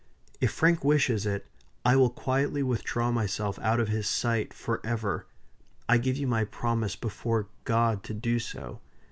"If Frank wishes it, I will quietly withdraw myself out of his sight forever; I give you my promise, before God, to do so.